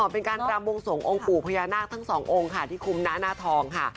เป็นการรำวงสวงองค์ปู่พญานาคทั้งสององค์ค่ะที่คุมหน้าหน้าทองค่ะ